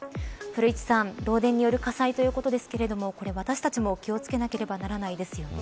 古市さん、漏電による火災ということですけれどもこれ私たちも気を付けなければならないですよね。